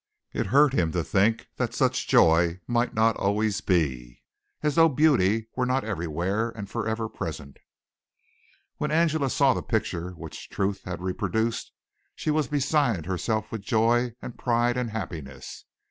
It hurt him to think that such joy might not always be, as though beauty were not everywhere and forever present. When Angela saw the picture which Truth had reproduced, she was beside herself with joy and pride and happiness.